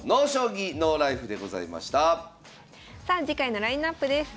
さあ次回のラインナップです。